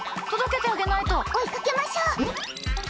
追いかけましょう！